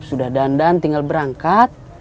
sudah dandan tinggal berangkat